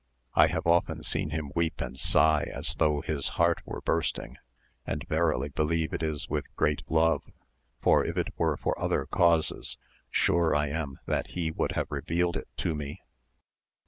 I have often seen him weep and sigh as though his heart were bursting, and verily believe it is with great love, for if it were for other causes sure am I that he would have revealed it to me.